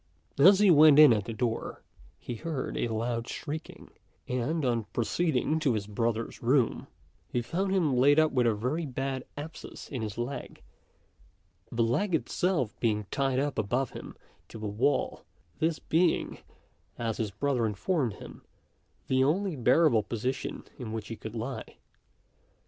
As he went in at the door, he heard a loud shrieking; and, on proceeding to his brother's room, he found him laid up with a very bad abscess in his leg, the leg itself being tied up above him to the wall, this being, as his brother informed him, the only bearable position in which he could lie.